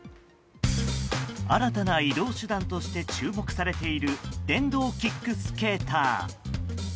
新たな移動手段として注目されている電動キックスケーター。